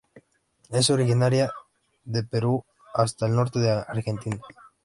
Es originario de Perú hasta el norte de Argentina.